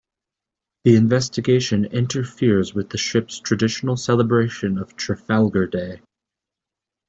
The investigation interferes with the ship's traditional celebration of Trafalgar Day.